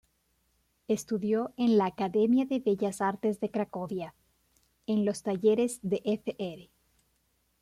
Estudió en la Academia de Bellas Artes de Cracovia, en los talleres de Fr.